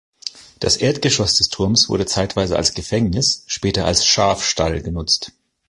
Das Erdgeschoss des Turms wurde zeitweise als Gefängnis, später als Schafstall genutzt.